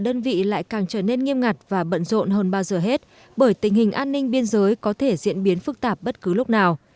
tình hình an ninh biên giới lại càng trở nên nghiêm ngặt và bận rộn hơn bao giờ hết bởi tình hình an ninh biên giới có thể diễn biến phức tạp bất cứ lúc nào